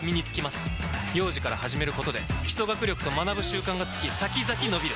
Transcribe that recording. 幼児から始めることで基礎学力と学ぶ習慣がつき先々のびる！